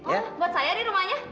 oh buat saya di rumahnya